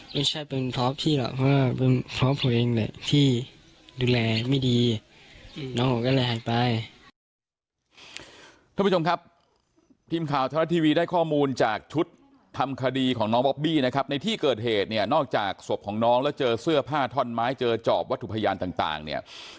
ไม่ใช่เป็นเพราะพี่หรอกเพราะว่าเป็นเพราะผู้เองเลย